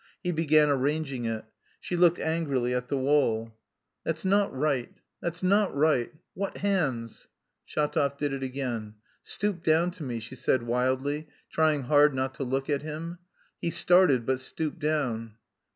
He began arranging it. She looked angrily at the wall. "That's not right, that's not right.... What hands!" Shatov did it again. "Stoop down to me," she said wildly, trying hard not to look at him. He started but stooped down.